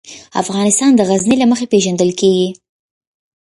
افغانستان د غزني له مخې پېژندل کېږي.